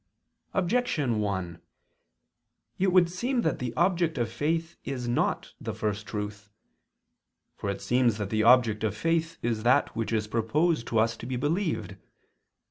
Objection 1: It would seem that the object of faith is not the First Truth. For it seems that the object of faith is that which is proposed to us to be believed.